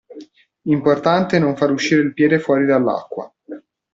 Importante è non fare uscire il piede fuori dall'acqua.